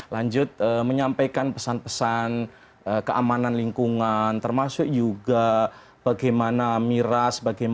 lanjut menyampaikan pesan pesan keamanan lingkungan termasuk juga bagaimana miras bagaimana